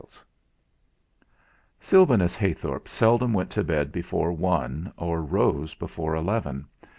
IV Sylvanus Heythorp seldom went to bed before one or rose before eleven.